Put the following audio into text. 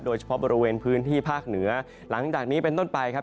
โดยเฉพาะบริเวณพื้นที่ภาคเหนือหลังจากนี้เป็นต้นไปครับ